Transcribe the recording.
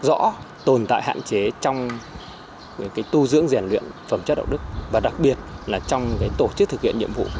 rõ tồn tại hạn chế trong tu dưỡng rèn luyện phẩm chất đạo đức và đặc biệt là trong tổ chức thực hiện nhiệm vụ